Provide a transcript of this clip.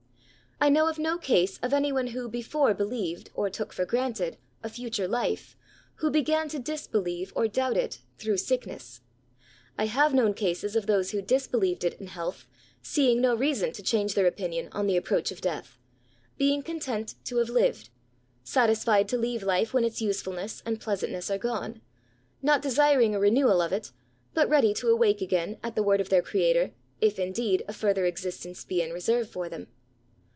I know of no case of any one who before believed, or took for granted, a fature life, who began to disbelieve or doubt it through sickness. I have known cases of those who disbelieved it in health, seeing no reason to change their opinion on the approach of death,— being content to have lived — satisfied to leave life when its usefulness and pleasantness are gone— not desiring a renewal of it, but ready to awake again at the word of their Creator, if indeed DEATH TO THE INVALID. 107 a ftirther existence be in reserve for them.